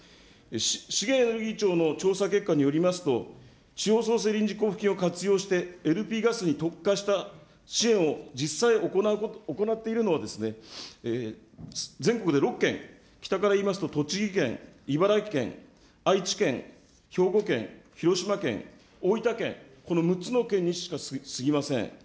資源エネルギー庁の調査結果によりますと、地方創生臨時交付金を活用して、ＬＰガスに特化した支援を実際行っているのは、全国で６県、北から言いますと、栃木県、茨城県、愛知県、兵庫県、広島県、大分県、この６つの県にしかすぎません。